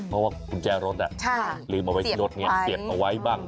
เพราะว่ากุญแจรถลืมเอาไว้ที่รถไงเก็บเอาไว้บ้าง